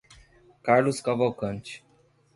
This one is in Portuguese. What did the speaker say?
Carlos Cavalcante